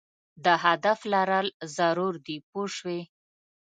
د هدف لرل ضرور دي پوه شوې!.